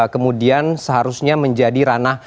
kemudian seharusnya menjadi ranah